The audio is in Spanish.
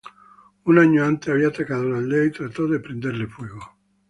Un año antes, había atacado la aldea y trató de prenderle fuego.